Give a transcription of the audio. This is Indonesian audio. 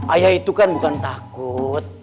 ayah itu kan bukan takut